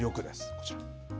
こちら。